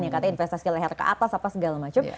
yang katanya investasi leher ke atas apa segala macam